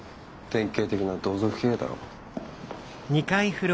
典型的な同族経営だろう。